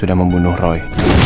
sudah membunuh roy